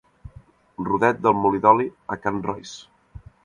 Rodet del molí d'oli a can Royce.